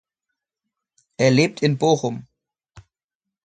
Er lebt in Bochum.